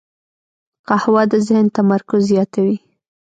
قهوه د ذهن تمرکز زیاتوي